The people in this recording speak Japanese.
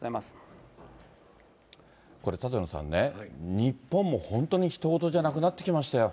これ、舘野さんね、日本も本当にひと事じゃなくなってきましたよ。